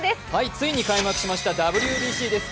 ついに開幕しましたＷＢＣです